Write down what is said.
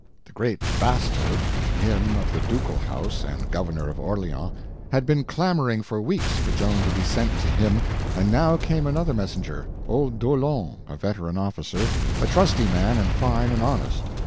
The Great Bastard—him of the ducal house, and governor of Orleans—had been clamoring for weeks for Joan to be sent to him, and now came another messenger, old D'Aulon, a veteran officer, a trusty man and fine and honest.